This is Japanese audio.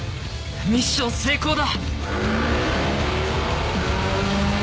ミッション成功だ！